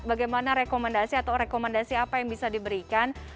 bagaimana rekomendasi atau rekomendasi apa yang bisa diberikan